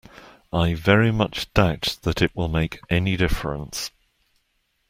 I very much doubt that that will make any difference.